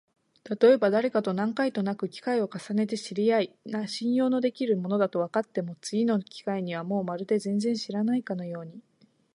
たとえばだれかと何回となく機会を重ねて知り合い、信用のできる者だとわかっても、次の機会にはもうまるで全然知らないかのように、